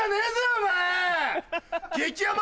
お前。